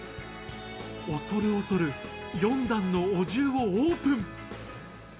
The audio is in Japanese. おそるおそる、４段のお重をオープン。